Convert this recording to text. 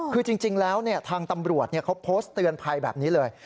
คือจริงแล้วทางตำรวจเขาโพสต์เตือนภัยแบบนี้เลย